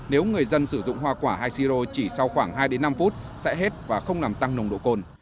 nếu người dân sử dụng hoa quả hay si rô chỉ sau khoảng hai năm phút sẽ hết và không làm tăng nồng độ cồn